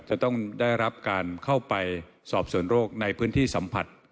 จะต้องได้รับการเข้าไปสอบส่วนโรคในพื้นที่สัมผัส